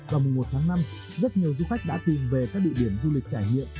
vào mùa một tháng năm rất nhiều du khách đã tìm về các địa điểm du lịch trải nghiệm